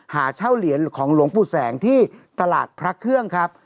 หาเช่าเหรียญของหลวงปู่แสงที่ตลาดพระเครื่องครับ